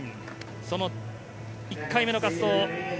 その１回目の滑走。